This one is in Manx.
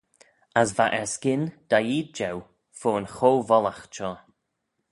As va erskyn da-eed jeu fo yn cho-vollaght shoh.